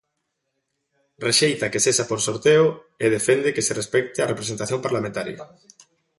Rexeita que sexa por sorteo e defende que se respecte a representación parlamentaria.